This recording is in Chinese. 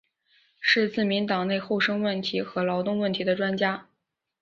是自民党内厚生问题和劳动问题的专家。